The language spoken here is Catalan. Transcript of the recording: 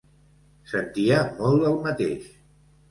Sentia molt del mateix.